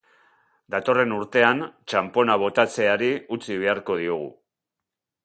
Datorren urtean, txanpona botatzeari utzi beharko diogu.